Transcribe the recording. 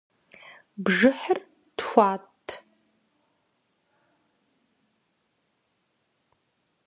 Бжыхьыр тхуат.